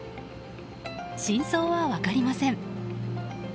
真相は分かりません。